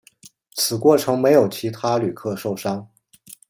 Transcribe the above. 此过程没有其他旅客受伤。